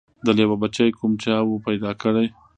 د لېوه بچی کوم چا وو پیدا کړی